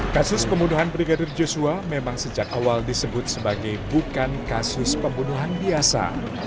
kasus pembunuhan brigadir joshua memang sejak awal disebut sebagai bukan kasus pembunuhan biasa